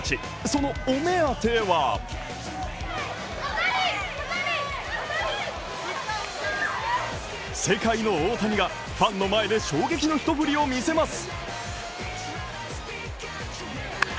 そのお目当ては世界の大谷が、ファンの前で衝撃の一振りを見せます。